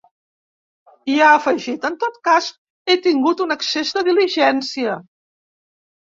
I ha afegit: ‘en tot cas he tingut un excés de diligència’.